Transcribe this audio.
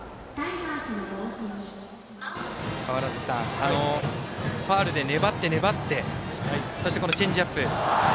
川原崎さんファウルで粘って、粘ってそして、チェンジアップ。